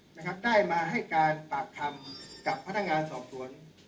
นะครับได้มาให้การปากคำกับพนักงานสอบสวน